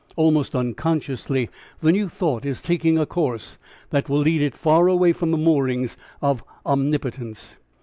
Almost unconsciously the new thought is taking a course that will lead it far away from the moorings of Omnipotence.